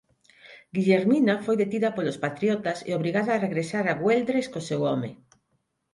Guillermina foi detida polos patriotas e obrigada a regresar a Güeldres co seu home.